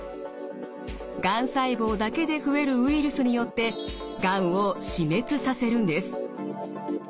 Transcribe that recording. がん細胞だけで増えるウイルスによってがんを死滅させるんです。